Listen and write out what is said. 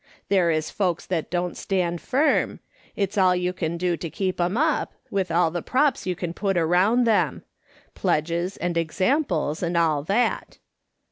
There is folks that don't stand firm ; it's all you can do to keep 'em up, with all the props }ou can put around them ; pledges and examples, and all that.